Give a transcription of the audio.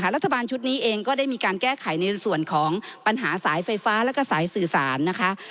รัฐบาลชุดนี้เองก็ได้มีการแก้ไขในส่วนของปัญหาสายไฟฟ้าแล้วก็สายสื่อสารนะคะ